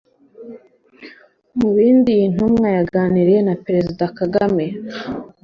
Mu bindi iyi ntumwa yaganiriye na Perezida Kagame